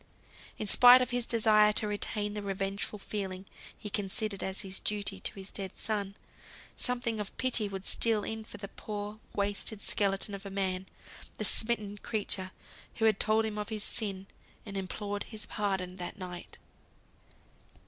In spite of his desire to retain the revengeful feeling he considered as a duty to his dead son, something of pity would steal in for the poor, wasted skeleton of a man, the smitten creature, who had told him of his sin, and implored his pardon that night.